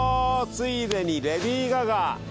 ついでにレディー・ガガ。